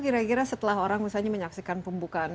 kira kira setelah orang misalnya menyaksikan pembukaan